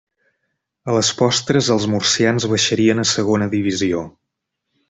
A les postres els murcians baixarien a Segona Divisió.